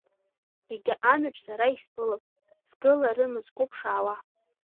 Егьа амҩаҿ сара исԥылап, сгыларыма сгәы ԥшаауа?